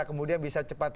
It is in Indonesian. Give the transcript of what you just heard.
kemudian bisa cepat